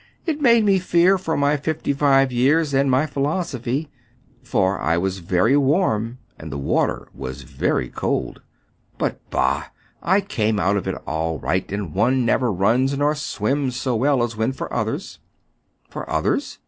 " It made me fear for my fifty five years and my philosophy ; for I was very warm, and the water was very cold. But, bah ! I came out of it all right ; and one never runs nor swims so well as ► when for others." " For others